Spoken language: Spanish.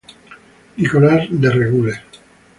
Nicolás De Regules.